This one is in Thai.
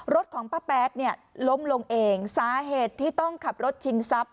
รถของป้าแป๊ดล้มลงเองสาเหตุที่ต้องขับรถชิงซับ